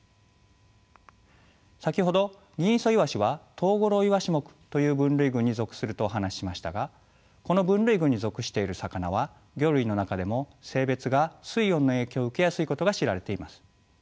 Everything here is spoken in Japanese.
先ほどギンイソイワシはトウゴロウイワシ目という分類群に属するとお話ししましたがこの分類群に属している魚は魚類の中でも性別が水温の影響を受けやすいことが知られています。